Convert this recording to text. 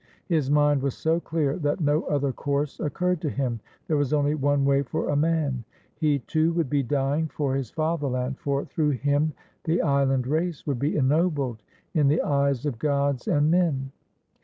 His mind was so clear that no other course occurred to him. There was only one way for a man. He too would be dying for his fatherland, for io6 THE LEMNL\N: A STORY OF THERMOPYLAE through him the island race would be ennobled in the eyes of gods and men.